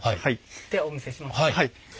ではお見せします。